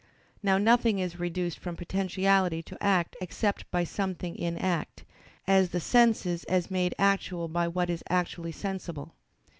Now nothing is reduced from potentiality to act except by something in act; as the senses as made actual by what is actually sensible.